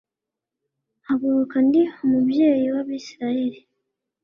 mpaguruka ndi umubyeyi w abisirayeli